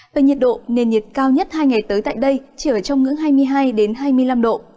về nhiệt độ nền nhiệt cao nhất hai ngày tới tại đây chỉ ở trong ngưỡng hai mươi hai hai mươi năm độ